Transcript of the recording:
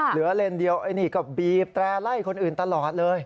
เลนส์เดียวไอ้นี่ก็บีบแตร่ไล่คนอื่นตลอดเลย